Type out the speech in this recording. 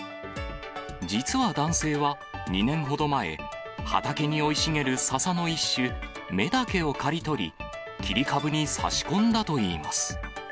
実は男性は２年ほど前、畑に生い茂るササの一種、メダケを刈り取り、切り株に差し込んだといいます。